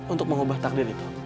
untuk mengubah takdir itu